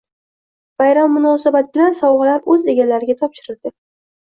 Bayram munosabati bilan sovg‘alar o‘z egalariga topshirildi